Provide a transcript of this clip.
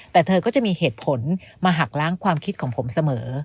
แต่เธอก็จะมีเหตุผลมาหักล้างความคิดของผมเสมอ